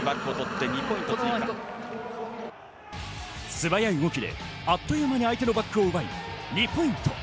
素早い動きであっという間に相手のバックを奪い２ポイント。